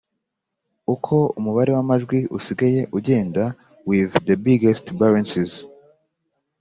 uko umubare w amajwi usigaye ugenda with the biggest balances